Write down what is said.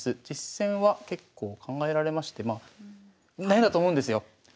実戦は結構考えられましてまあ悩んだと思うんですよ。